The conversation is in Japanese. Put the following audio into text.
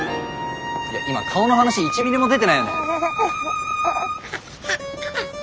今顔の話一ミリも出てないよね？